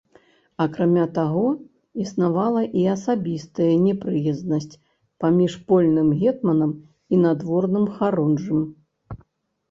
Акрамя таго існавала і асабістая непрыязнасць паміж польным гетманам і надворным харунжым.